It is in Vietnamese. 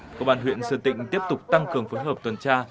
cộng bàn huyện sơn tịnh tiếp tục tăng cường phối hợp tuần tra